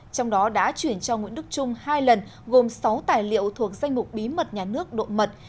trong đó đã chuyển cho nguyễn đức trung hai lần gồm sáu tài liệu thuộc danh mục bí mật nhà nước độ mật